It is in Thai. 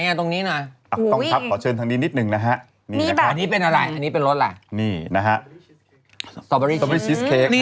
ไหนอ่ะตรงนี้หน่อยขอเชิญทางนี้นิดหนึ่งนะฮะอันนี้เป็นอะไรอันนี้เป็นรสล่ะนี่นะฮะสตราเบอร์รี่ชิสเค้ก